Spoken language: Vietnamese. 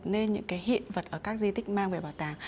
nên những cái hiện vật ở các di tích mang về bảo tàng